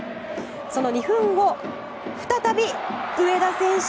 その２分後再び上田選手。